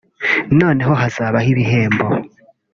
noneho hakazabaho ibihembo